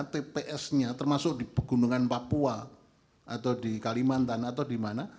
tps nya termasuk di pegunungan papua atau di kalimantan atau di mana